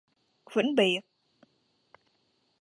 vĩnh biệt